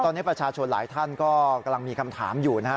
ตอนนี้ประชาชนหลายท่านก็กำลังมีคำถามอยู่นะฮะ